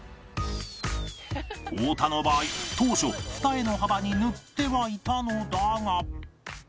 太田の場合当初二重の幅に塗ってはいたのだが